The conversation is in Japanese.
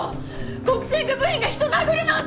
ボクシング部員が人殴るなんて！